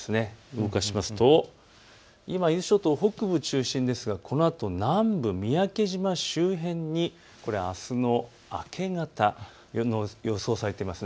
動かしますと今、伊豆諸島北部中心ですがこのあと南部、三宅島周辺に、これはあすの明け方、予想されています。